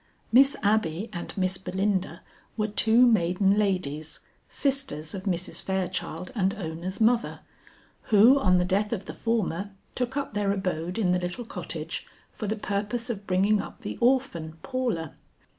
Miss Abby and Miss Belinda were two maiden ladies, sisters of Mrs. Fairchild and Ona's mother, who on the death of the former took up their abode in the little cottage for the purpose of bringing up the orphan Paula.